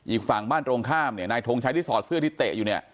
อีกฝั่งบ้านตรงข้ามเนี่ยนายทงชัยที่สอดเสื้อที่เตะอยู่เนี่ย